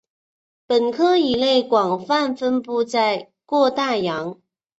本科鱼类广泛分布于各大洋。